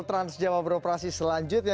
trans jawa beroperasi selanjutnya